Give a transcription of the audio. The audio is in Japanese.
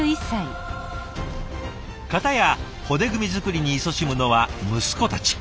片や骨組み作りにいそしむのは息子たち。